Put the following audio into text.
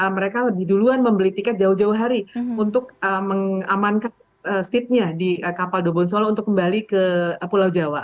mereka lebih duluan membeli tiket jauh jauh hari untuk mengamankan seatnya di kapal dobonsolo untuk kembali ke pulau jawa